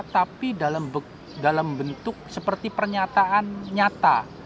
tapi dalam bentuk seperti pernyataan nyata